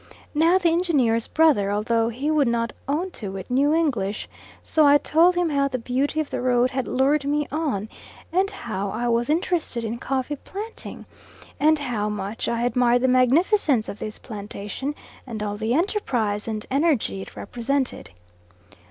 Now the engineer's brother, although he would not own to it, knew English, so I told him how the beauty of the road had lured me on, and how I was interested in coffee planting, and how much I admired the magnificence of this plantation, and all the enterprise and energy it represented.